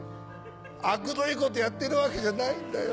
あくどいことやってるわけじゃないんだよ。